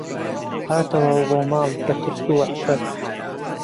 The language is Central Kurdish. هاتەوە بۆ ماڵ بە ترس و وەحشەت